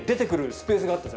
スペースがあった。